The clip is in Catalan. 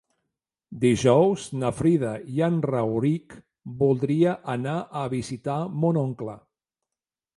Dijous na Frida i en Rauric voldria anar a visitar mon oncle.